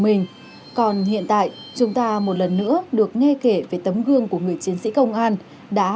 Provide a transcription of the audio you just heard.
mình còn hiện tại chúng ta một lần nữa được nghe kể về tấm gương của người chiến sĩ công an đã